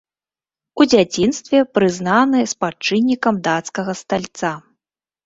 У дзяцінстве прызнаны спадчыннікам дацкага стальца.